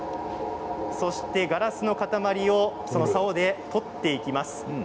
そしてガラスの塊をさおで取っていきます。